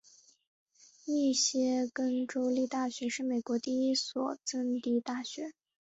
密歇根州立大学是美国第一所赠地大学。